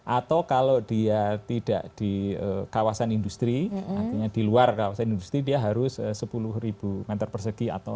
atau kalau dia tidak di kawasan industri artinya di luar kawasan industri dia harus sepuluh meter persegi